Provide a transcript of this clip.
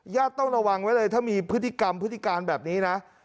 ต้องระวังไว้เลยถ้ามีพฤติกรรมพฤติการแบบนี้นะ